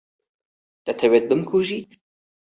دەتەوێت بمکوژیت؟